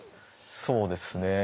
そうですね。